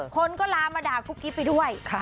คนก็ลามาด่ากุ๊กกิ๊บไปด้วย